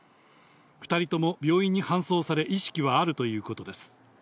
２人とも病院に搬送され、意識はあるということです。